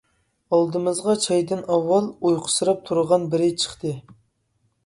ئالدىمىزغا چايدىن ئاۋۋال ئۇيقۇسىراپ تۇرغان بىرى چىقتى.